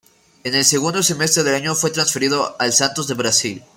En el segundo semestre del año fue transferido al Santos de Brasil.